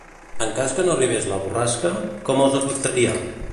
En cas que no arribés la borrasca, com els afectaria?